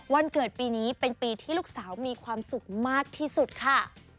วันเกิดปีนี้เป็นปีที่ลูกสาวมีความสุขมากที่สุดค่ะ